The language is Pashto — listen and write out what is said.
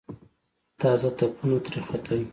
تازه تپونه ترې ختل.